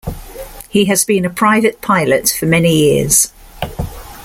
He has been a private pilot for many years.